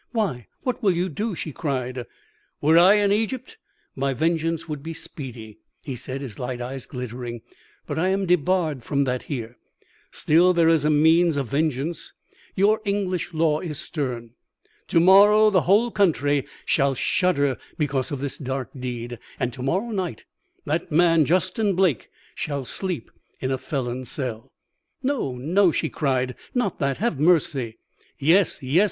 'Why, what will you do?' she cried. "'Were I in Egypt, my vengeance would be speedy,' he said, his light eyes glittering; 'but I am debarred from that here. Still, there is a means of vengeance. Your English law is stern. To morrow the whole country shall shudder because of this dark deed, and to morrow night that man, Justin Blake, shall sleep in a felon's cell' "'No, no!' she cried. 'Not that. Have mercy.' "'Yes, yes!'